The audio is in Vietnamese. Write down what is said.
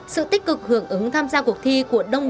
sự tích cực hưởng ứng tham gia cuộc thi của đông đảo tổng hợp